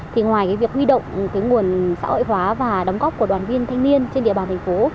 thì ngoài việc huy động cái nguồn xã hội hóa và đóng góp của đoàn viên thanh niên trên địa bàn thành phố